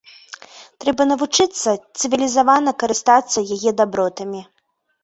Трэба навучыцца цывілізавана карыстацца яе дабротамі.